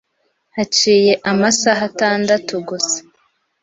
Haciye amasaha atandatu gusa